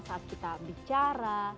saat kita bicara